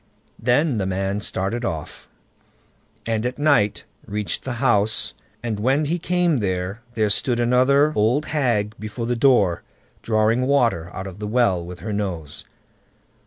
Then the man started off, and at night reached the house, and when he came there, there stood another old hag before the door, drawing water out of the well with her nose.